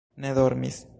ne dormis.